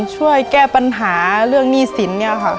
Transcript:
ช่วยแก้ปัญหาเรื่องหนี้สินเนี่ยค่ะ